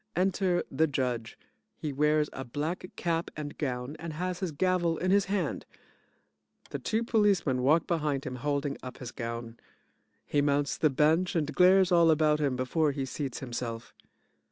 Enter the JUDGE. He wears a black cap and gown and has his gavel in his hand. The two POLICEMEN walk behind him holding up his gown. He mounts the bench and glares all about him before he seats himself.